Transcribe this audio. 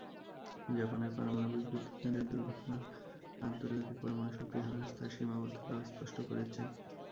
জাপানের পারমাণবিক বিদ্যুৎকেন্দ্রের দুর্ঘটনা আন্তর্জাতিক পরমাণু শক্তি সংস্থার সীমাবদ্ধতাও স্পষ্ট করেছে।